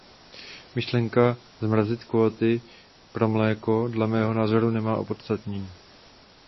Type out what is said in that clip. Myšlenka zmrazit kvóty pro mléko dle mého názoru nemá opodstatnění!